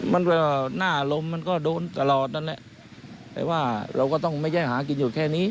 มันก็หน้าอารมณ์มันก็โดนตลอดนั่นแหละแต่ว่าเราก็ต้องไม่ใช่หากินอยู่แค่นี้